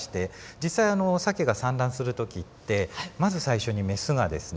実際サケが産卵する時ってまず最初にメスがですね